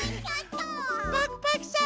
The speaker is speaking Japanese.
パクパクさん